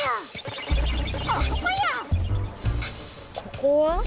ここは？